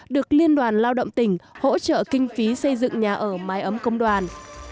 được liên đoàn lao động tỉnh hỗ trợ kinh phí xây dựng nhà ở mái ấm công đoàn